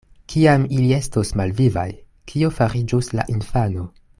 Kiam ili estos malvivaj, kio fariĝus la infano?